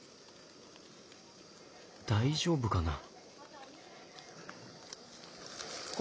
大丈夫かな？